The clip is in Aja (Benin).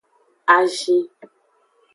Azin.